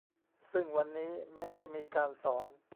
ซึ่งวันนี้แม้จะมีการสอน